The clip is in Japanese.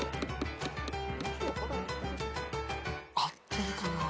合ってるかな。